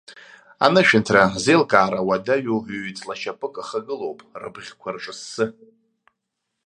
Анышәынҭра зеилкаара уадаҩу ҩ-ҵла шьапык ахагылоуп, рыбӷьқәа рҿассы.